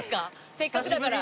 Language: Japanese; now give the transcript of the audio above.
せっかくだから。